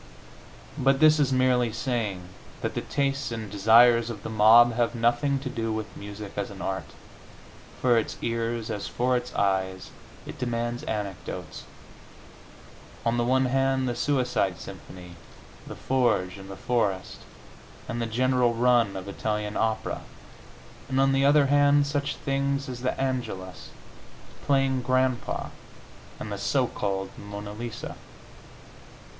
But this is merely saying that the tastes and desires of the mob have nothing to do with music as an art. For its ears, as for its eyes, it demands anecdotes on the one hand the Suicide symphony, "The Forge in the Forest," and the general run of Italian opera, and on the other hand such things as "The Angelus," "Playing Grandpa" and the so called "Mona Lisa."